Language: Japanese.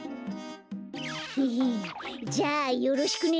ヘヘじゃあよろしくね。